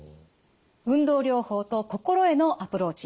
運動療法と心へのアプローチ。